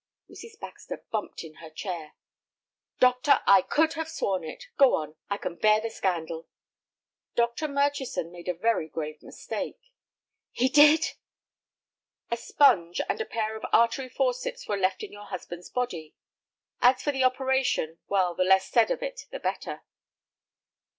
Mrs. Baxter bumped in her chair. "Doctor, I could have sworn it. Go on, I can bear the scandal." "Dr. Murchison made a very grave mistake." "He did!" "A sponge and a pair of artery forceps were left in your husband's body. As for the operation, well, the less said of it the better."